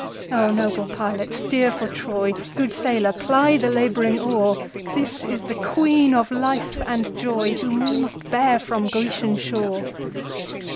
O noble pilot steer for Troy, Good sailor ply the labouring oar, This is the Queen of life and joyWhom we must bear from Grecian shore!